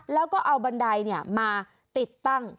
แล้วก็เอาบันไดมาติดตั้ง